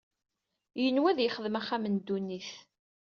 Yenwa ad yexdem axxam n ddunit.